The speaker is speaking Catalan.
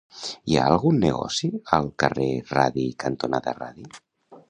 Hi ha algun negoci al carrer Radi cantonada Radi?